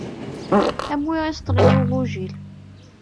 Am wi iseṭṭlen i ugujil.